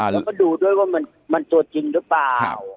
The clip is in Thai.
แล้วก็ดูด้วยว่ามันตัวจริงหรือเปล่า